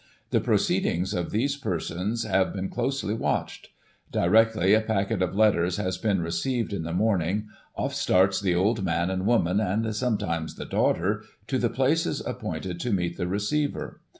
The proceedings of these persons have been closely watched. Directly a packet of letters has been received in the morning, off starts the old man and woman, and, sometimes, the daughter, to the places appointed to meet the receiver.